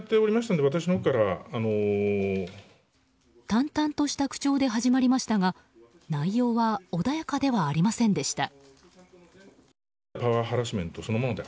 淡々とした口調で始まりましたが内容は穏やかではありませんでした。